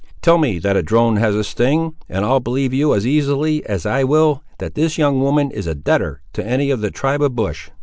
Tell me that a drone has a sting, and I'll believe you as easily as I will that this young woman is a debtor to any of the tribe of Bush!"